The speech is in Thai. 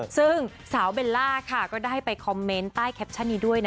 ซึ่งสาวเบลล่าค่ะก็ได้ไปคอมเมนต์ใต้แคปชั่นนี้ด้วยนะ